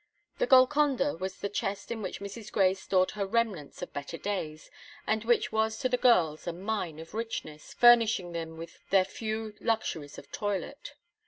"The Golconda" was the chest in which Mrs. Grey stored her remnants of better days, and which was to the girls a mine of richness, furnishing them with their few luxuries of toilet.